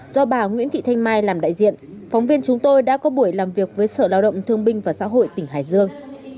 do bà nguyễn thị thanh mai làm đại diện phóng viên chúng tôi đã có buổi làm việc với sở lao động thương binh và xã hội tỉnh hải dương